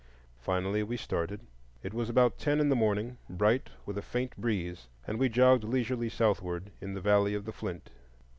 Finally we started. It was about ten in the morning, bright with a faint breeze, and we jogged leisurely southward in the valley of the Flint.